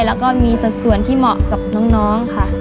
แล้วก็มีสัดส่วนที่เหมาะกับน้องค่ะ